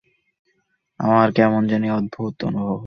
আমার কেমন জানি অদ্ভুত অনুভব হচ্ছে।